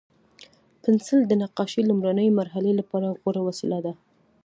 پنسل د نقاشۍ لومړني مرحلې لپاره غوره وسیله ده.